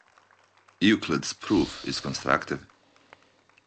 Euclid's proof is constructive.